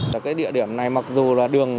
cái địa điểm này mặc dù là đường